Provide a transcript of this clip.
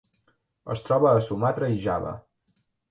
Es troba a Sumatra i Java.